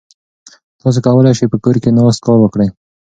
تاسو کولای شئ په کور کې ناست کار وکړئ.